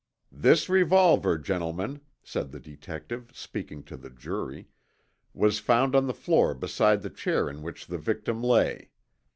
"This revolver, gentlemen," said the detective, speaking to the jury, "was found on the floor beside the chair in which the victim lay.